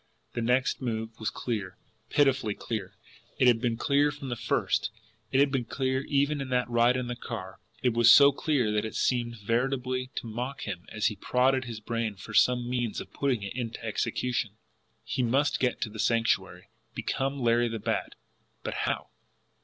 The next move was clear, pitifully clear; it had been clear from the first, it had been clear even in that ride in the car it was so clear that it seemed veritably to mock him as he prodded his brains for some means of putting it into execution. He must get to the Sanctuary, become Larry the Bat but how?